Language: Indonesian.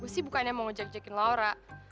gue sih bukannya mau ngejek ngejekin laura